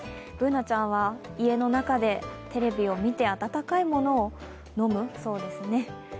Ｂｏｏｎａちゃんは家の中でテレビを見て、暖かいものを飲むそうですね。